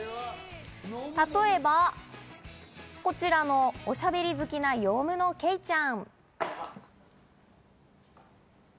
例えば、こちらのおしゃべり好きなヨウムのケイちゃん。